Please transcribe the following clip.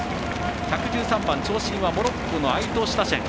１１３番、長身はモロッコのアイト・シタシェン。